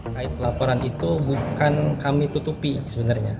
kait laporan itu bukan kami tutupi sebenarnya